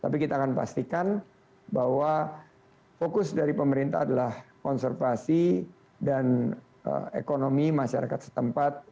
tapi kita akan pastikan bahwa fokus dari pemerintah adalah konservasi dan ekonomi masyarakat setempat